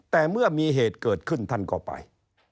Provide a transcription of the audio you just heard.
แต่เมื่อมีเหตุเกิดขึ้นท่านก็ไป